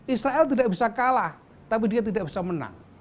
israel tidak bisa kalah tapi dia tidak bisa menang